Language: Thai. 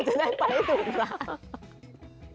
จะได้ไปให้ถูกร้าน